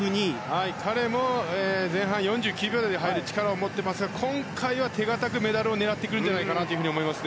彼も前半４９秒台で入る力を持っていますが今回は手堅くメダルを狙ってくるんじゃないかと思います。